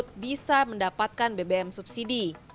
yang disebut bisa mendapatkan bbm subsidi